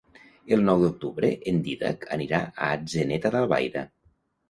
El nou d'octubre en Dídac anirà a Atzeneta d'Albaida.